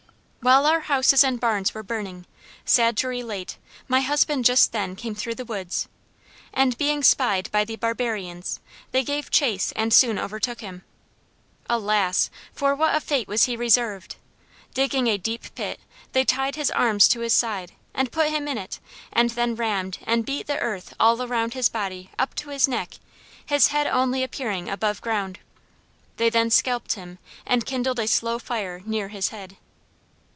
"While our house and barns were burning, sad to relate, my husband just then came through the woods, and being spied by the barbarians, they gave chase and soon overtook him. Alas! for what a fate was he reserved! Digging a deep pit, they tied his arms to his side and put him into it and then rammed and beat the earth all around his body up to his neck, his head only appearing above ground. They then scalped him and kindled a slow fire near his head.